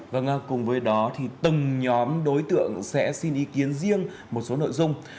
vâng cùng với đó thì từng nhóm đối tượng sẽ xin ý kiến riêng một số nội dung